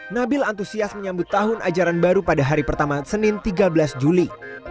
nabil antusias menyambut tahun ajaran baru pada hari pertama senin tiga belas juli